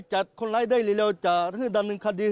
ชาวบ้านในพื้นที่บอกว่าปกติผู้ตายเขาก็อยู่กับสามีแล้วก็ลูกสองคนนะฮะ